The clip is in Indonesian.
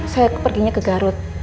saya perginya ke garut